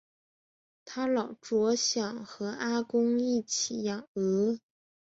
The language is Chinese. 她老著想和阿公一起养鹅